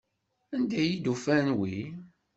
Anda ay d-ufan wi?